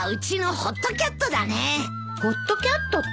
ホットキャットって？